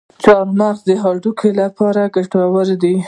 چارمغز د هډوکو لپاره ګټور دی.